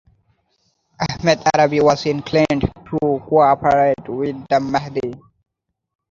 Ahmad Arabi was inclined to cooperate with the Mahdi.